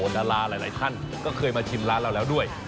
ดาราหลายท่านก็เคยมาชิมร้านเราแล้วด้วย